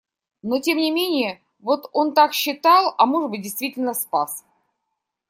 Но, тем не менее, вот он так считал, а может быть, действительно спас.